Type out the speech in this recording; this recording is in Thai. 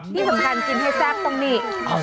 ที่สำคัญกินไฮแซมตรงนี้